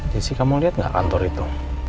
jesse kamu lihat gak kantor itu